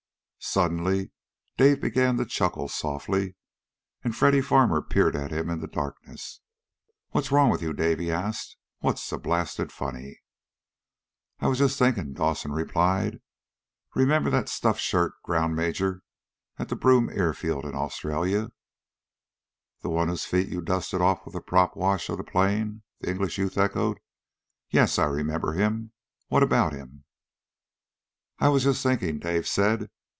Suddenly, Dave began to chuckle softly. And Freddy Farmer peered at him in the darkness. "What's wrong with you, Dave?" he asked, "What's so blasted funny?" "I was just thinking," Dawson replied. "Remember that stuffed shirt ground major at the Broome field in Australia?" "The one whose feet you dusted off with the prop wash of the plane?" the English youth echoed. "Yes, I remember him. What about him?" "I was just thinking," Dave said.